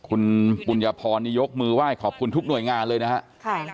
คุณปุญญพรนี่ยกมือไหว้ขอบคุณทุกหน่วยงานเลยนะครับ